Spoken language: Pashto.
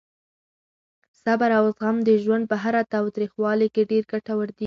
صبر او زغم د ژوند په هره تریخوالې کې ډېر ګټور دي.